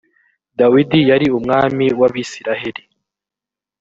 dawidi yari umwami w’ abisiraheli